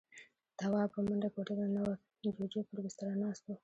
تواب په منډه کوټې ته ننوت. جُوجُو پر بستره ناست و.